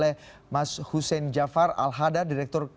agar mengambil resiko terhadap indonesia